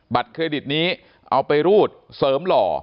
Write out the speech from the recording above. เครดิตนี้เอาไปรูดเสริมหล่อ